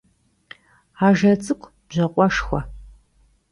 Ajje ts'ık'u bjakhueşşxue.